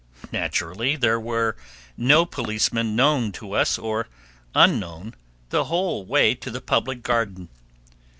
Naturally there was no policeman known to us or unknown the whole way to the Public Garden.